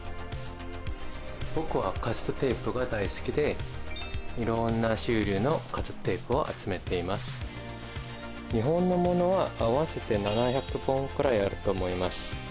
僕はカセットテープが大好きで色んな種類のカセットテープを集めています日本のものは合わせて７００本くらいあると思います